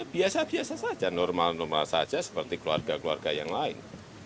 biasa biasa saja normal normal saja seperti keluarga keluarga yang lain